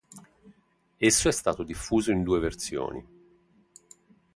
Esso è stato diffuso in due versioni.